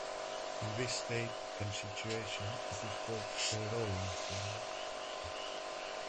In this state and situation, it is called a "Rollin film".